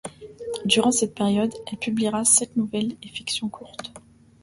Durant cette période elle publiera sept nouvelles et fictions courtes.